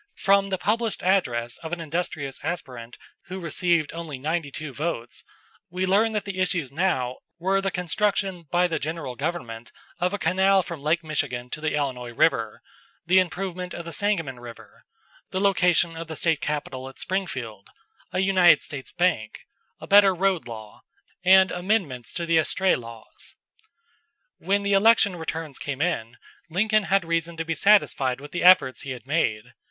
From the published address of an industrious aspirant who received only ninety two votes, we learn that the issues now were the construction by the general government of a canal from Lake Michigan to the Illinois River, the improvement of the Sangamon River, the location of the State capital at Springfield, a United States bank, a better road law, and amendments to the estray laws. When the election returns came in Lincoln had reason to be satisfied with the efforts he had made.